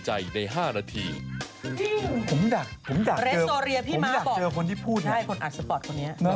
ใช่คนอัดสปอร์ตคนเนี้ย